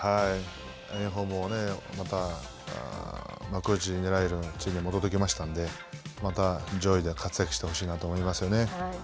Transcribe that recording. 炎鵬もまた幕内をねらえる位置に戻ってきましたので、また上位で活躍してほしいなと思いますよね。